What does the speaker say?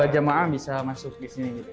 dua puluh dua jemaah bisa masuk disini